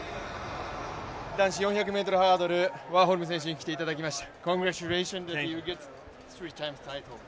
男子４００ｍハードル、ワーホルム選手に来ていただきました。